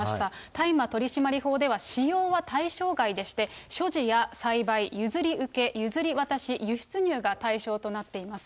大麻取締法では、使用は対象外でして、所持や栽培、譲り受け、譲り渡し、輸出入が対象となっています。